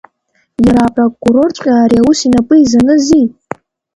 Иара апрокурорҵәҟьа ари аус инапы изанызи?